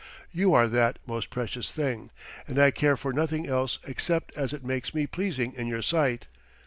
You are that most precious thing, and I care for nothing else except as it makes me pleasing in your sight."